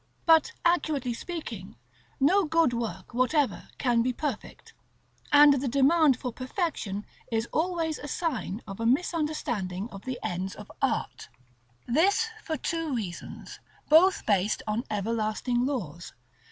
But, accurately speaking, no good work whatever can be perfect, and the demand for perfection is always a sign of a misunderstanding of the ends of art. § XXIV. This for two reasons, both based on everlasting laws.